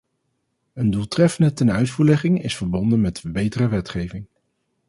Een doeltreffende tenuitvoerlegging is verbonden met betere wetgeving.